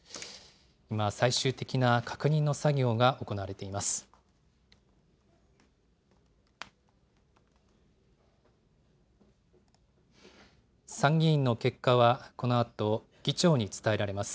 今、最終的な確認の作業が行われています。